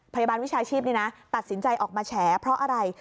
วิชาชีพตัดสินใจออกมาแฉเพราะอะไร